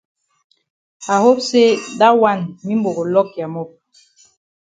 I hope say dat wan mimbo go lock ya mop.